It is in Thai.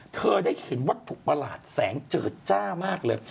เธอได้เห็นวัตถุประหลาดแสงเจิดจ้ามากเลย